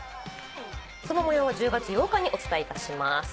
その模様は１０月８日にお伝えします。